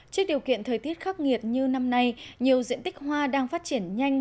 trước điều kiện thời tiết khắc nghiệt như năm nay nhiều diện tích hoa đang phát triển nhanh